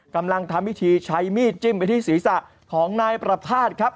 กำลังทำวิธีใช้มีดจิ้มไปที่สี่ศักดิ์ของนายปรบทาศครับ